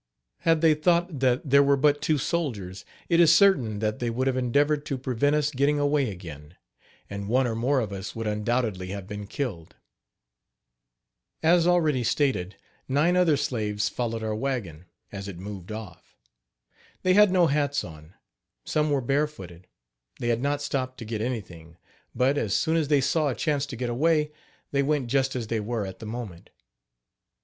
Had they thought that there were but two soldiers, it is certain that they would have endeavored to prevent us getting away again, and one or more of us would undoubtedly have been killed. As already stated, nine other slaves followed our wagon, as it moved off. They had no hats on; some were bare footed, they had not stopped to get anything; but, as soon as they saw a chance to get away, they went just as they were at the moment.